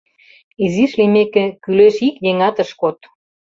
Изиш лиймеке, кӱлеш ик еҥат ыш код.